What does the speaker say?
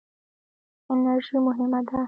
انرژي مهمه ده.